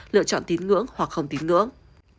lựa chọn tín ngưỡng hoặc không tín ngưỡng